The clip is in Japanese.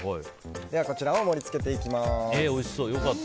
こちらを盛り付けていきます。